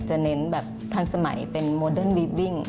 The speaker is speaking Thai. เน้นแบบทันสมัยเป็นโมเดิร์นวีบวิ่ง